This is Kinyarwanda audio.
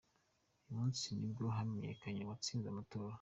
Uyu munsi nibwo hamenyekanye uwatsinze amatora.